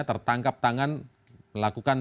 tertangkap tangan melakukan